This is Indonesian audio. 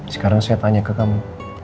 sekarang saya tanya ke kamu